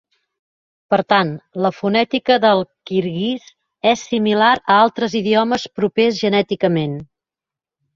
Per tant, la fonètica del kirguís és similar a altres idiomes propers genèticament.